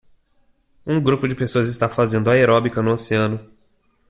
Um grupo de pessoas está fazendo aeróbica no oceano.